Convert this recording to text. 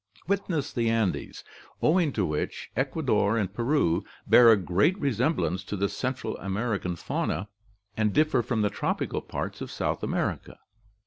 Witness the Andes, owing to which Ecuador and Peru bear a great resemblance to the Central American fauna, and differ from the tropical parts of South America."